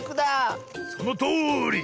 そのとおり！